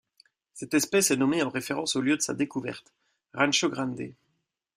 Cette espèce est nommée en référence au lieu de sa découverte, Rancho Grande.